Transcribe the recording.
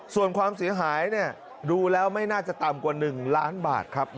ส่วนความเสียหายดูแล้วไม่น่าจะต่ำกว่า๑ล้านบาทครับ